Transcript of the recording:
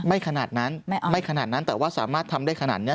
ขนาดนั้นไม่ขนาดนั้นแต่ว่าสามารถทำได้ขนาดนี้